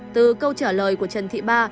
từ câu trả lời của trần thị ba